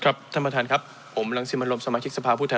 ครับท่านบาทานครับผมรังสิบันโลมสมาชิกสภาพผู้ไทย